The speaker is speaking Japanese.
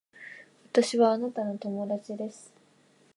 私はあなたの友達です